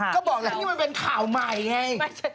ก็บอกแล้วนี่มันเป็นข่าวใหม่ไง